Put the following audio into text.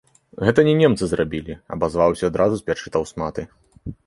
- Гэта не немцы зрабiлi, - абазваўся адразу з печы таўсматы.